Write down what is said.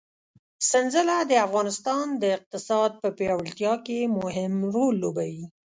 سنځله د افغانستان د اقتصاد په پیاوړتیا کې مهم رول لوبوي.